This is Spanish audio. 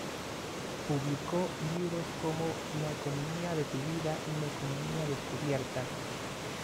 Publicó libros como"La economía de tu vida" y la "Economía descubierta".